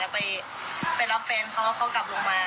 ไปรับแฟนเขาแล้วเขากลับลงมา